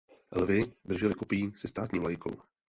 Lvi drželi kopí se státní vlajkou.